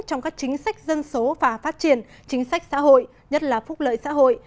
trong các chính sách dân số và phát triển chính sách xã hội nhất là phúc lợi xã hội